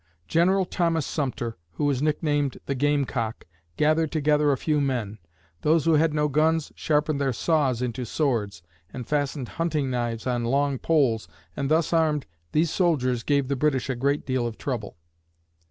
General Thomas Sumter, who was nicknamed the "Game Cock," gathered together a few men. Those who had no guns sharpened their saws into swords and fastened hunting knives on long poles and thus armed, these soldiers gave the British a great deal of trouble.